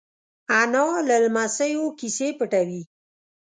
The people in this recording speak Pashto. انا له لمسيو کیسې پټوي